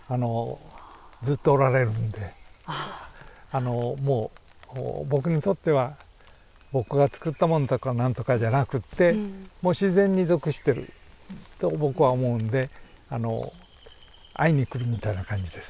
あのもう僕にとっては僕がつくったものだからなんとかじゃなくて自然に属してると僕は思うんであの会いに来るみたいな感じです。